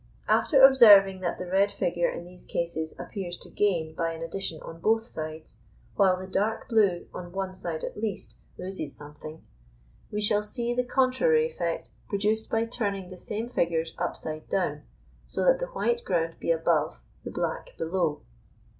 After observing that the red figure in these cases appears to gain by an addition on both sides, while the dark blue, on one side at least, loses something; we shall see the contrary effect produced by turning the same figures upside down, so that the white ground be above, the black below.